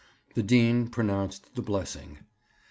The Dean pronounced the blessing.